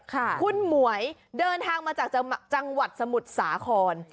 คุณหมวยเดินทางมาจากจังหวัดสมุทรสาคร